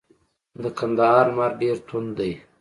د کندهار لمر ډیر توند دی.